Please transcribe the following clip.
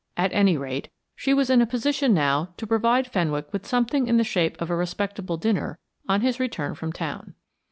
At any rate, she was in a position now to provide Fenwick with something in the shape of a respectable dinner on his return from town.